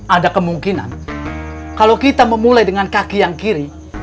ada kemungkinan kalau kita memulai dengan kaki yang kiri